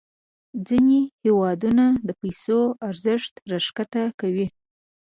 ځینې هیوادونه د پیسو ارزښت راښکته کوي.